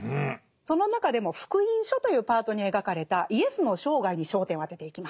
その中でも「福音書」というパートに描かれたイエスの生涯に焦点を当てていきます。